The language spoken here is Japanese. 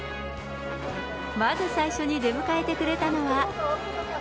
まず最初に出迎えてくれたのは。